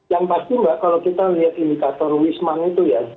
yang pasti mbak kalau kita lihat indikator wisman itu ya